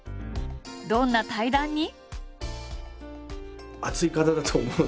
どんな対談に？